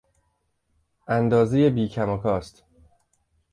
اندازهی بیکم و کاست